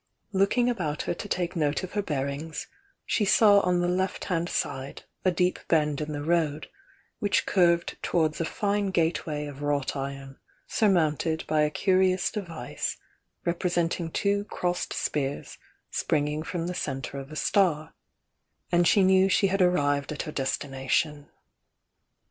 Looking about her to take note of her bearings, she saw on the left hand side a deep bend in the road, which curved towards a fine gateway of wrought iron, sur mounted by a curious device representing two crossed spears springing from the centre of a star, — and she knew she had arrived at her destination.